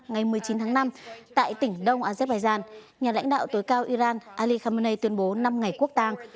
ngày một mươi chín tháng năm tại tỉnh đông azerbaijan nhà lãnh đạo tối cao iran ali khamenei tuyên bố năm ngày quốc tàng